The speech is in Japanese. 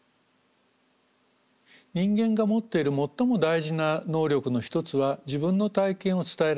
人間が持っている最も大事な能力の一つは自分の体験を伝えられる。